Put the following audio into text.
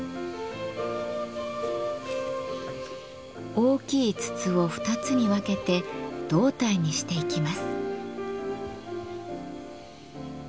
大きい筒を２つに分けて胴体にしていきます。